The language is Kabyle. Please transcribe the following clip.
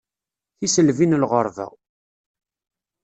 Tiselbi n lɣerba.